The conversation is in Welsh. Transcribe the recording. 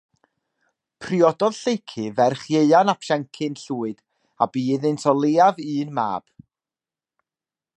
Priododd Lleucu ferch Ieuan ap Siencyn Llwyd a bu iddynt o leiaf un mab.